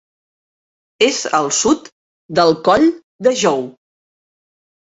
És al sud del Coll de Jou.